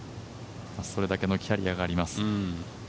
それだけのキャリアがあります。